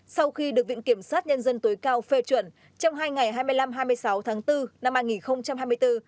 sau khi được viện kiểm sát nhân dân tối cao phê chuẩn trong hai ngày hai mươi năm hai mươi sáu tháng bốn năm hai nghìn hai mươi bốn